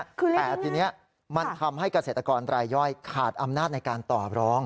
แต่ทีนี้มันทำให้เกษตรกรรายย่อยขาดอำนาจในการตอบร้อง